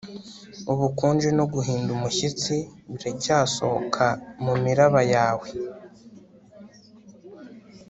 ubukonje no guhinda umushyitsi biracyasohoka mumiraba yawe